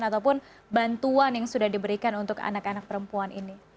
ataupun bantuan yang sudah diberikan untuk anak anak perempuan ini